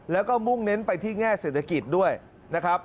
แล้วก็มุ่งเน้นไปที่แง่เศรษฐกิจด้วยนะครับ